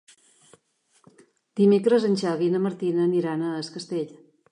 Dimecres en Xavi i na Martina aniran a Es Castell.